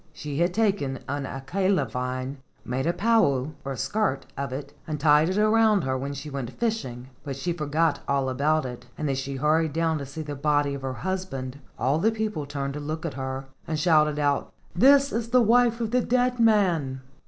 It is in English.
She had taken an akala vine, made a pa u, or skirt, of it, and tied it around her when she went fishing, but she for¬ got all about it, and as she hurried down to see the body of her husband, all the people turned to look at her, and shouted out, "This is the wife of the dead man."